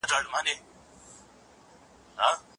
هغه په خپل کار کې هیڅکله هم غفلت نه دی کړی.